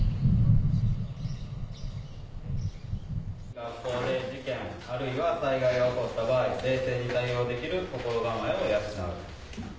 学校で事件あるいは災害が起こった場合冷静に対応できる心構えを養う。